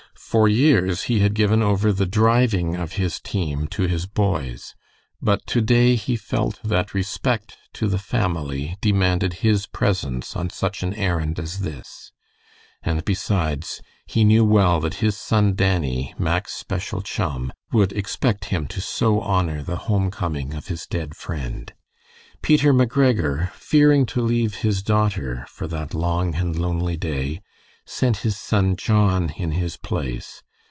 For years he had given over the driving of his team to his boys, but to day he felt that respect to the family demanded his presence on such an errand as this; and besides, he knew well that his son Dannie, Mack's special chum, would expect him to so honor the home coming of his dead friend. Peter McGregor, fearing to leave his daughter for that long and lonely day, sent his son John in his place.